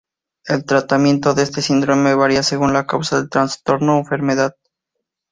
El tratamiento de este síndrome varía según la causa del trastorno o enfermedad.